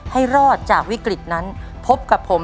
ให้รอดจากวิกฤตนั้นพบกับผม